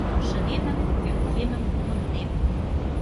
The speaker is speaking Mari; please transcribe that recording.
Шыдемым, ӧпкемым мондем.